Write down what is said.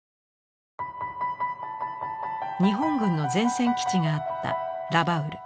日本軍の前線基地があったラバウル。